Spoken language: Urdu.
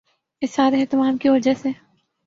اس سارے اہتمام کی وجہ سے